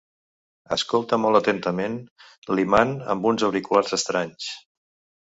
Escolta molt atentament l'imant amb uns auriculars estranys.